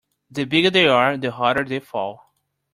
The bigger they are the harder they fall.